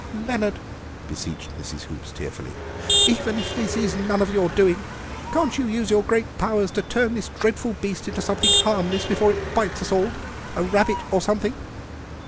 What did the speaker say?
"Leonard," beseeched Mrs. Hoops tearfully, "even if this is none of your doing can't you use your great powers to turn this dreadful beast into something harmless before it bites us all—a rabbit or something?"